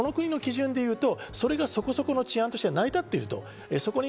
その国の基準でいうと、それがそこそこの治安として成り立っているという。